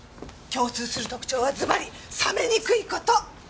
共通する特徴はズバリ冷めにくい事。